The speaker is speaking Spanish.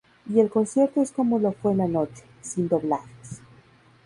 Y el concierto es como lo fue en la noche, sin doblajes.